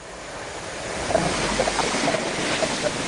তাতে মনে হচ্ছে নিজের আবেগকে কিছুটা হলেও তুমি মোকাবিলা করতে পারছ।